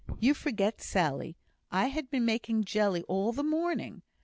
"You forget, Sally, I have been making jelly all the morning.